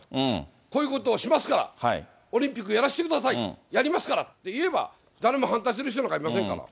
こういうことをしますから、オリンピックやらしてください、やりますからって言えば、誰も反対する人なんかいませんから。